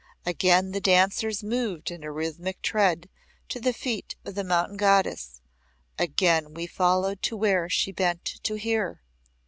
Again the dancers moved in a rhythmic tread to the feet of the mountain Goddess again we followed to where she bent to hear.